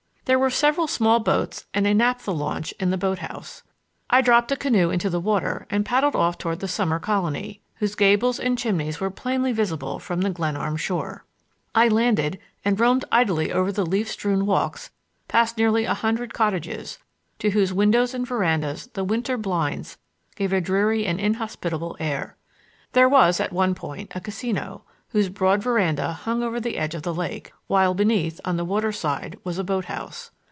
There were several small boats and a naphtha launch in the boat house. I dropped a canoe into the water and paddled off toward the summer colony, whose gables and chimneys were plainly visible from the Glenarm shore. I landed and roamed idly over leaf strewn walks past nearly a hundred cottages, to whose windows and verandas the winter blinds gave a dreary and inhospitable air. There was, at one point, a casino, whose broad veranda hung over the edge of the lake, while beneath, on the water side, was a boat house.